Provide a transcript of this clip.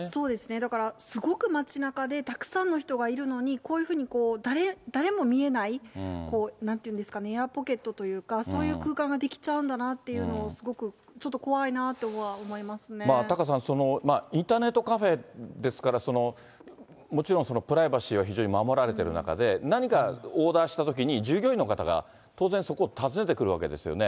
だからすごく街なかで、たくさんの人がいるのに、こういうふうに誰も見えない、なんて言うんですかね、エアポケットというか、そういう空間が出来ちゃうんだなというのを、すごく、ちょっと怖タカさん、インターネットカフェですから、もちろんプライバシーは非常に守られている中で、何かオーダーしたときに、従業員の方が当然そこを訪ねてくるわけですよね。